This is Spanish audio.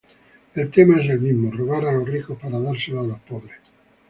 El tema es el mismo: robar a los ricos para darlo a los pobres.